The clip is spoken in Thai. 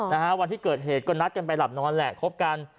วันที่เกิดเหตุก็นัดกันไปหลับนอนแหละคบกัน